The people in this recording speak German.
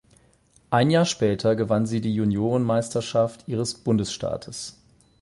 Ein Jahr später gewann sie die Juniorenmeisterschaft ihres Bundesstaates.